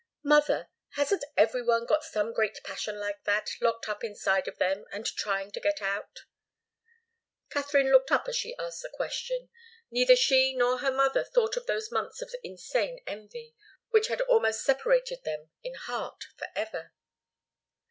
"Mother hasn't every one got some great passion like that, locked up inside of them, and trying to get out?" Katharine looked up as she asked the question. Neither she nor her mother thought of those months of insane envy, which had almost separated them in heart forever.